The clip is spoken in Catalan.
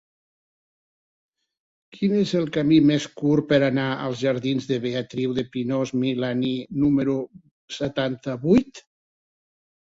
Quin és el camí més curt per anar als jardins de Beatriu de Pinós-Milany número setanta-vuit?